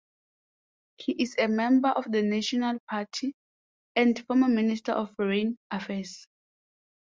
He is a member of the National Party, and former Minister of Foreign Affairs.